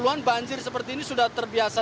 delapan puluh an banjir seperti ini sudah terbiasa